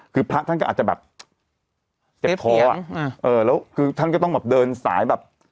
คือพระท่านก็อาจจะแบบเจ็บคออ่ะเออแล้วคือท่านก็ต้องแบบเดินสายแบบ